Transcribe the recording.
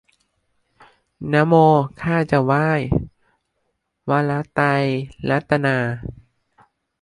นะโมข้าจะไหว้ วระไตรระตะนา